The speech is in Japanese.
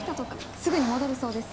すぐに戻るそうです。